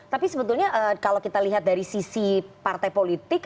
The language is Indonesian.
tapi sebetulnya kalau kita lihat dari sisi partai politik